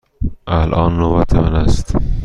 الان نوبت من است.